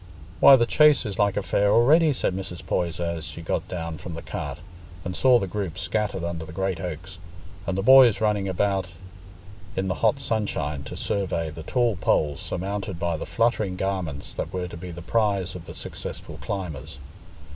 "Why, the Chase is like a fair a'ready," said Mrs. Poyser, as she got down from the cart, and saw the groups scattered under the great oaks, and the boys running about in the hot sunshine to survey the tall poles surmounted by the fluttering garments that were to be the prize of the successful climbers.